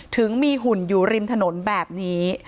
ถึงมีหุ่นอยู่ริมถนนแบบนี้